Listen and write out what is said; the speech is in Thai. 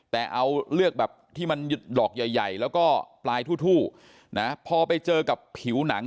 แต่เอาเลือกแบบที่มันดอกใหญ่แล้วก็ปลายทู่นะพอไปเจอกับผิวหนัง